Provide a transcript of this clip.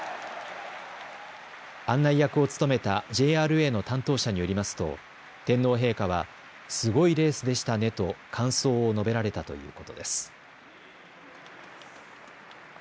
案内役を務めたＪＲＡの担当者によりますと天皇陛下はすごいレースでしたねと感想を述べられたということです。